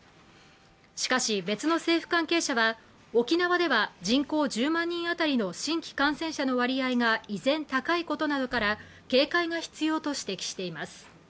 しかし別の政府関係者は沖縄では人口１０万人あたりの新規感染者の割合が依然高いことなどから警戒が必要と指摘しています